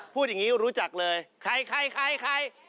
พูดอย่างนี้รู้จักเลยใครใคร